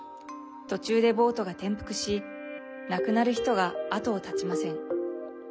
途中でボートが転覆し亡くなる人が後を絶ちません。